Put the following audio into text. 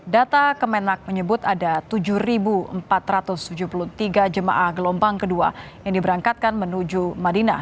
data kemenak menyebut ada tujuh empat ratus tujuh puluh tiga jemaah gelombang kedua yang diberangkatkan menuju madinah